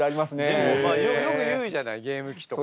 でもまあよく言うじゃないゲーム機とかさ。